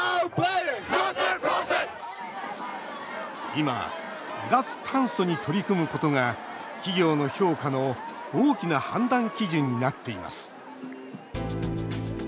今、脱炭素に取り組むことが企業の評価の大きな判断基準になっています。